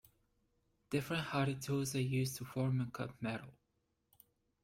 Different hardy tools are used to form and cut metal.